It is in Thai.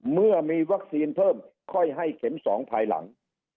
เมื่อมีวัคซีนเพิ่มค่อยให้เข็ม๒ภายหลัง